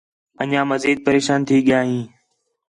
انڄیاں مزید پریشان تھی ڳِیا ہیں